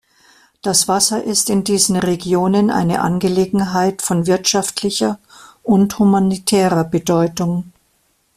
Das Wasser ist in diesen Regionen eine Angelegenheit von wirtschaftlicher und humanitärer Bedeutung.